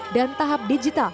dan tahap digital